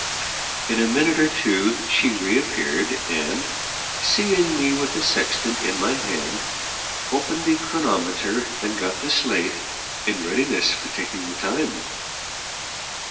In a minute or two she reappeared, and, seeing me with the sextant in my hand, opened the chronometer and got the slate, in readiness for taking the time.